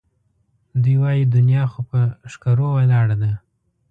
دوی وایي دنیا خو پهٔ ښکرو ولاړه ده